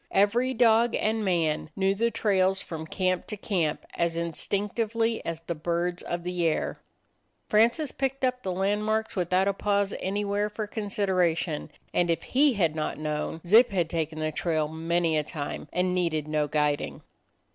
Every dog and man knew the trails from camp to camp as instinc tively as the birds of the air. Francis picked up the landmarks without a pause anywhere for consideration, and if he had not known, Zip had taken the trail many a time and needed no guiding.